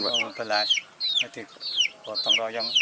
tidak bisa bangun